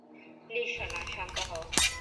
Please, সোনা, শান্ত হও।